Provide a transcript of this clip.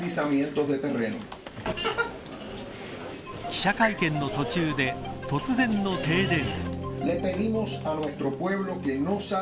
記者会見の途中で突然の停電。